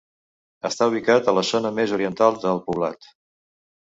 Està ubicat a la zona més oriental del poblat.